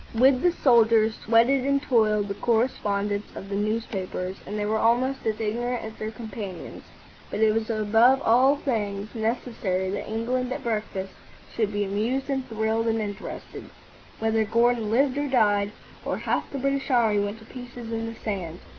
With the soldiers sweated and toiled the correspondents of the newspapers, and they were almost as ignorant as their companions. But it was above all things necessary that England at breakfast should be amused and thrilled and interested, whether Gordon lived or died, or half the British army went to pieces in the sands.